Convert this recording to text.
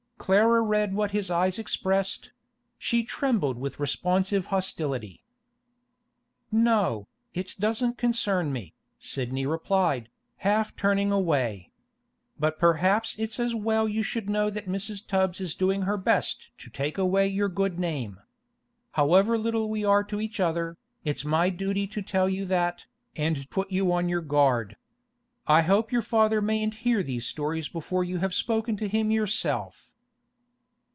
Clara read what his eyes expressed; she trembled with responsive hostility. 'No, it doesn't concern me,' Sidney replied, half turning away. 'But it's perhaps as well you should know that Mrs. Tubbs is doing her best to take away your good name. However little we are to each other, it's my duty to tell you that, and put you on your guard. I hope your father mayn't hear these stories before you have spoken to him yourself.